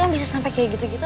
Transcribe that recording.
bisa sampai kayak gitu gitu